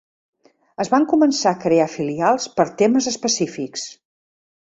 Es van començar a crear filials per temes específics.